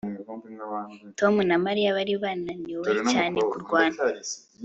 Tom na Mariya bari bananiwe cyane kurwana